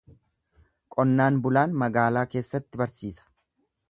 Qonnaan bulaan magaalaa keessatti barsiisa.